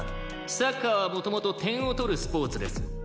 サッカーは元々点を取るスポーツです」